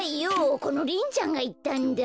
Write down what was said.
このリンちゃんがいったんだ。